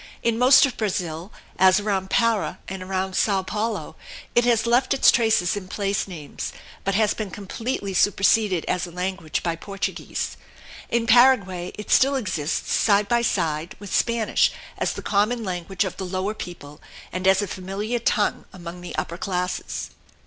In most of Brazil, as around Para and around Sao Paulo, it has left its traces in place names, but has been completely superseded as a language by Portuguese. In Paraguay it still exists side by side with Spanish as the common language of the lower people and as a familiar tongue among the upper classes.